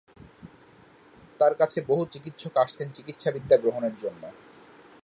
তার কাছে বহু চিকিৎসক আসতেন চিকিৎসাবিদ্যা গ্রহণের জন্যে।